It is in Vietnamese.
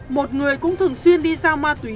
một người cũng thường xuyên đi giao ma túy